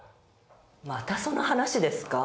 またその話ですか？